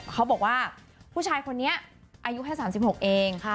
เขาบอกว่าผู้ชายคนนี้อายุแค่๓๖เอง